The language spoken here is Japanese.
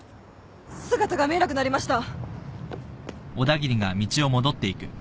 姿が見えなくなりました。